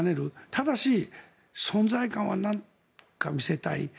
ただし、存在感は何か見せたい。